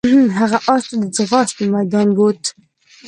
هغه اس ته د ځغاستې میدان ته بوت.